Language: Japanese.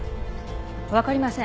わかりません